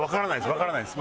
わからないです